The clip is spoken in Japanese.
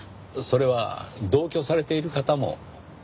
それは同居されている方も？